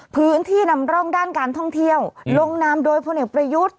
พื้นที่นำร่องด้านการท่องเที่ยวลงนามโดยพลเอกประยุทธ์